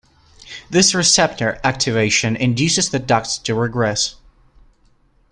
This receptor activation induces the ducts to regress.